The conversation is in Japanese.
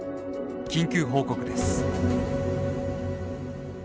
緊急報告です。